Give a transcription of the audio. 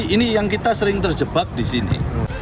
ini yang kita sering terjebak di sini